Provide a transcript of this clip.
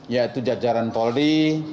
yaitu jajaran polri